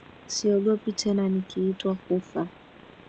Siogopi tena nikiitwa kufa,